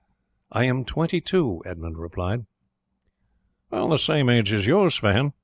"I am twenty two," Edmund replied. "The same age as you, Sweyn.